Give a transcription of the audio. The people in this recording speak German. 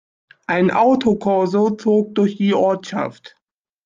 Ein Autokorso zog durch die Ortschaft.